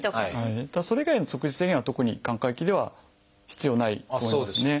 ただそれ以外の食事制限は特に寛解期では必要ないと思いますね。